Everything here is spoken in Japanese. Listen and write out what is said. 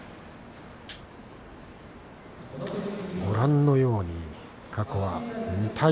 ご覧のように過去は２対０。